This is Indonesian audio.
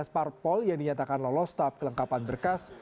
empat belas parpol yang dinyatakan lolos tap kelengkapan berkas